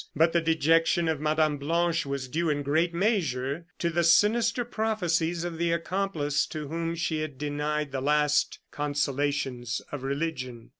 But the dejection of Mme. Blanche was due in great measure to the sinister prophecies of the accomplice to whom she had denied the last consolations of religion.